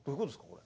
これ。